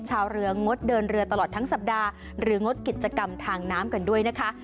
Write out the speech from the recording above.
ชาวเรืองดเดินเรือตลอดทั้งสัปดาห์หรืองดกิจกรรมทางน้ำกันด้วยนะคะ